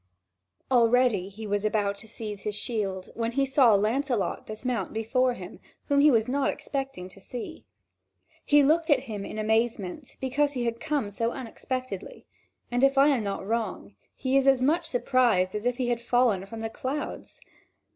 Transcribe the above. Already he was about to seize his shield, when he saw Lancelot dismount before him, whom he was not expecting to see. He looked at him in amazement, because he had come so unexpectedly; and, if I am not wrong, he was as much surprised as if he had fallen from the clouds.